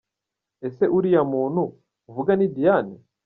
Ese, uriya muntu uvuga ni Diane?